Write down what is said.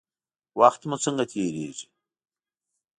وخت مو څنګه تیریږي؟